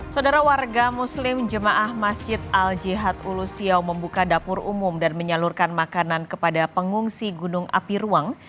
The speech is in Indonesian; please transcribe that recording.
saudara warga muslim jemaah masjid al jihad ulusiau membuka dapur umum dan menyalurkan makanan kepada pengungsi gunung api ruang